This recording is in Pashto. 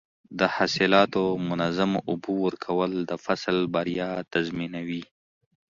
د حاصلاتو منظم اوبه ورکول د فصل بریا تضمینوي.